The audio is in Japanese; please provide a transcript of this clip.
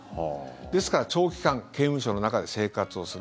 ですから長期間刑務所の中で生活をする。